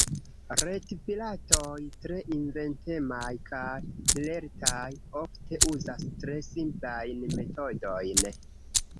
Retpiratoj, tre inventemaj kaj lertaj, ofte uzas tre simplajn metodojn.